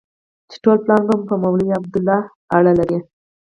چې ټول پلان په مولوي عبیدالله اړه لري.